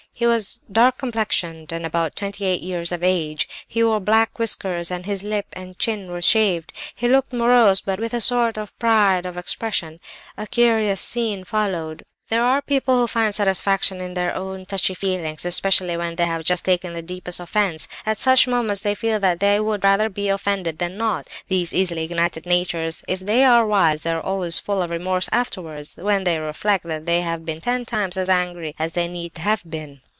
He was dark complexioned, and about twenty eight years of age; he wore black whiskers, and his lip and chin were shaved. He looked morose, but with a sort of pride of expression. A curious scene followed. "There are people who find satisfaction in their own touchy feelings, especially when they have just taken the deepest offence; at such moments they feel that they would rather be offended than not. These easily ignited natures, if they are wise, are always full of remorse afterwards, when they reflect that they have been ten times as angry as they need have been.